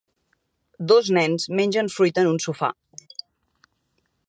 Dos nens mengen fruita en un sofà.